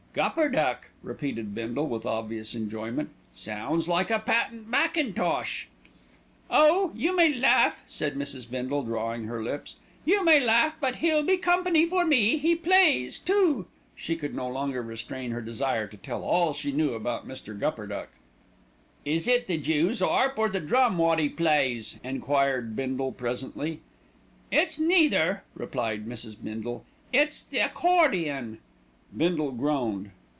"Gupperduck!" repeated Bindle with obvious enjoyment. "Sounds like a patent mackintosh." "Oh! you may laugh," said Mrs. Bindle, drawing her lips, "you may laugh; but he'll be company for me. He plays too." She could no longer restrain her desire to tell all she knew about Mr. Gupperduck. "Is it the jew's 'arp, or the drum wot 'e plays?" enquired Bindle presently. "It's neither," replied Mrs. Bindle, "it's the accordion." Bindle groaned.